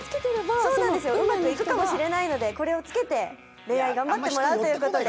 そうなんですよ、うまくいくかもしれないので、これをつけて恋愛を頑張ってもらうということで。